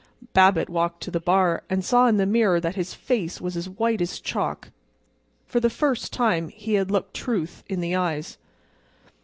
Babbitt walked to the bar, and saw in the mirror that his face was as white as chalk. For the first time he had looked Truth in the eyes.